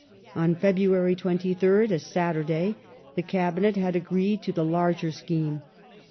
On February 23rd — a Saturday — the Cabinet had agreed to the larger scheme.